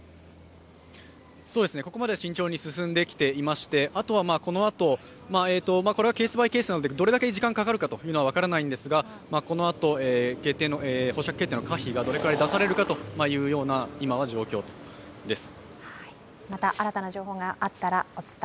ここまで慎重に進んできていまして、あとはこのあと、これはケース・バイ・ケースなのでどれだけ時間がかかるのかは分からないんですが、このあと保釈決定の可否がどれくらいで出されるかという状況です。